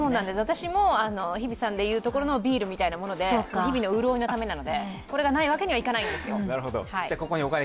私も日比さんでいうところのビールみたいなもので日々の潤いのためなので、これがないわけにはいかないわけですよ。